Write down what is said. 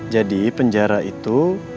jadi penjara itu